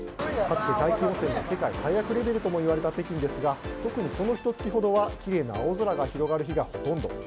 かつて、大気汚染が世界最悪レベルともいわれた北京ですが特にこのひと月ほどはきれいな青空が広がる日がほとんど。